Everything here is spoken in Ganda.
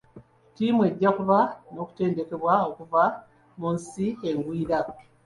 Tiimu ejja kuba n'okutendekebwa okuva mu nsi engwira.